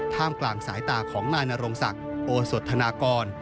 กลางสายตาของนายนรงศักดิ์โอสธนากร